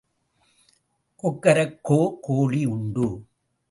கொக்கரக்கோ கோழி உண்டு.